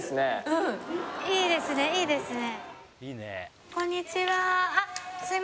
うんいいですねいいですね